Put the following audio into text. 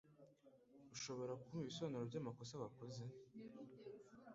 Ushobora kumpa ibisobanuro by’amakosa wakoze?